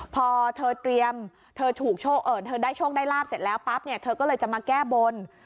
พอเธอได้โชคได้ลาบเสร็จแล้วปั๊บเนี่ยเธอก็เลยจะมาแก้บน